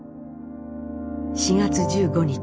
４月１５日